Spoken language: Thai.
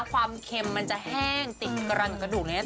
ความเค็มมันจะแห้งติดกำลังกระดูกเลยนะ